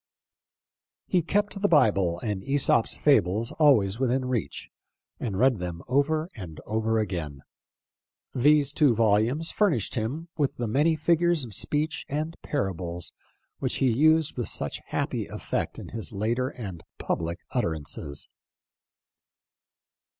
He kept the Bible and "yEsop's Fables " always within reach, and read them over and over again. These two volumes furnished him with the many figures of speech and parables which he used with such happy effect in his later and public utterances.